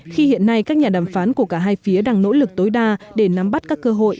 khi hiện nay các nhà đàm phán của cả hai phía đang nỗ lực tối đa để nắm bắt các cơ hội